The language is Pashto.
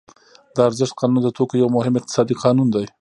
د ارزښت قانون د توکو یو مهم اقتصادي قانون دی